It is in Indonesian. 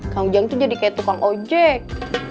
kang ujang itu jadi kayak tukang ojek